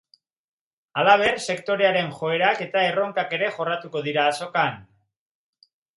Halaber, sektorearen joerak eta erronkak ere jorratuko dira azokan.